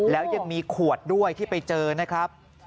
แล้วยังมีขวดด้วยที่ไปเจอนะครับ